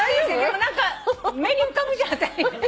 何か目に浮かぶじゃん。